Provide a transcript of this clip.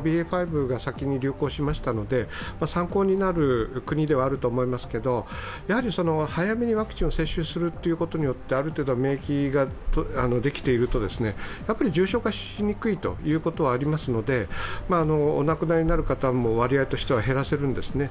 ＢＡ．５が先に流行しましたので、参考になる国ではあると思いますけれども、早めにワクチンを接種することによって、ある程度免疫ができていると、重症化しにくいということはありますので、お亡くなりになる方も割合としては減らせるんですね。